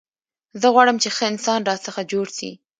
زه غواړم، چي ښه انسان راڅخه جوړ سي.